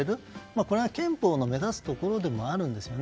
これが憲法の目指すところでもあるんですよね。